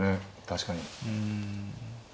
確かに。